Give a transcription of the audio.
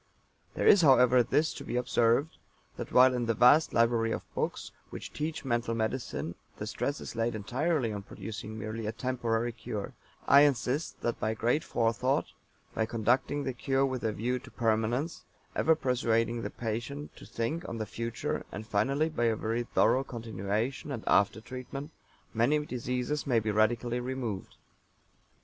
There is, however, this to be observed, that while in the vast library of books which teach mental medicine the stress is laid entirely on producing merely a temporary cure I insist that by great Forethought, by conducting the cure with a view to permanence, ever persuading the patient to think on the future, and finally by a very thorough continuation and after treatment many diseases may be radically removed.